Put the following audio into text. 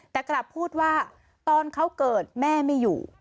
แต่กลับพูดว่าตอนเขาเกิดแม่ไม่อยู่